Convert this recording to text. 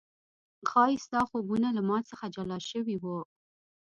ښايي ستا خوبونه له ما څخه جلا شوي و